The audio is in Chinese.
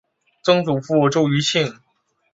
曾祖父周余庆。